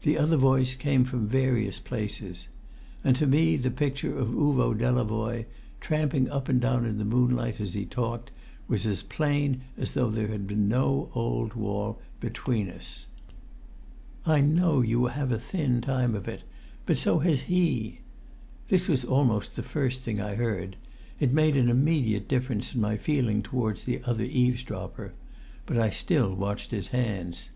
The other voice came from various places. And to me the picture of Uvo Delavoye, tramping up and down in the moonlight as he talked, was as plain as though there had been no old wall between us. "I know you have a thin time of it. But so has he!" That was almost the first thing I heard. It made an immediate difference in my feeling towards the other eavesdropper. But I still watched his hands.